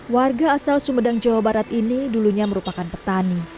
warga asal sumedang jawa barat ini dulunya merupakan petani